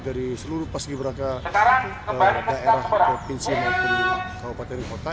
dari seluruh pasir berangka daerah provinsi maupun kabupaten dan kota